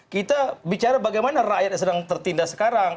kita bicara bagaimana rakyat yang sedang tertindas sekarang